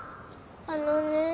あのね。